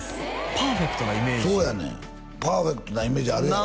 パーフェクトなイメージそうやねんパーフェクトなイメージあるやろ？